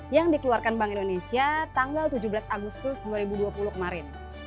yang dikeluarkan bank indonesia tanggal tujuh belas agustus dua ribu dua puluh kemarin